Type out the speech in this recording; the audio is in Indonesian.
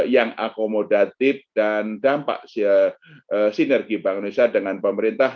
yang akomodatif dan dampak sinergi bank indonesia dengan pemerintah